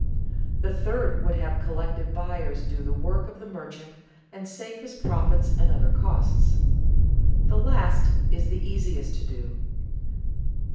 The third would have collective buyers do the work of the merchant and save his profits and other costs. The last is the easiest to do.